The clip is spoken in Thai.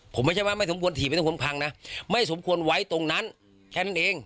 ผมไม่ใช่ว่าไม่สมควรถีบไม่ต้องควรพังนะไม่สมควรไว้ตรงนั้นแค่นั้นเอง